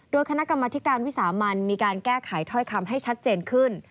โดยคณะกรรมธิการวิสามันมีการแก้ไขถ้อยคำให้ชัดเจนขึ้น